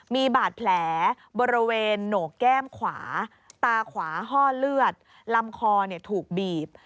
มีบาดแผลบริเวณโหนกแก้มขวาตาขวาห้อเลือดลำคอถูกบีบ